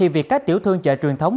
việc các tiểu thương chợ truyền thống